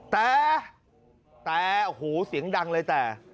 แต่แต่หูเสียงดังเลยแต่